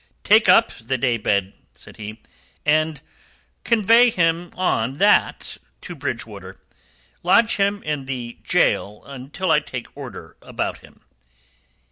"Take up the day bed," said he, "and convey him on that to Bridgewater. Lodge him in the gaol until I take order about him."